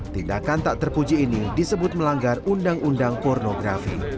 tindakan tak terpuji ini disebut melanggar undang undang pornografi